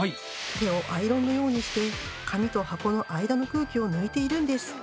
手をアイロンのようにして紙と箱の間の空気を抜いているんです。